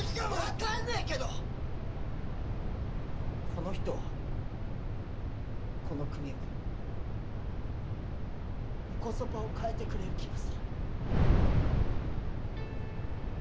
わかんねえけどこの人この国をンコソパを変えてくれる気がする。